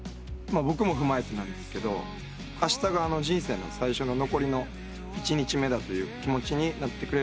僕も踏まえてなんですけどあしたが人生の最初の残りの１日目だという気持ちになってくれれば。